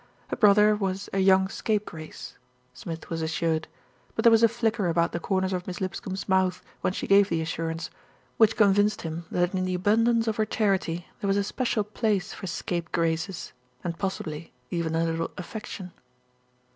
Her brother was "a young scapegrace," Smith was assured, but there was a flicker about the corners of Miss Lipscombe's mouth when she gave the assurance, which convinced him that in the abundance of her charity there was a special place for scapegraces, and possibly even a little affection.